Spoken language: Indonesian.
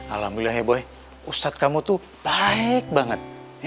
alhamdulillah ya boy ustadz kamu tuh baik banget